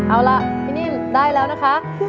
เอาล่ะพี่นิ่มได้แล้วนะคะ